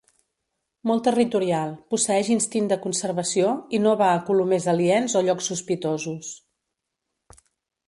Molt territorial, posseeix instint de conservació, i no va a colomers aliens o llocs sospitosos.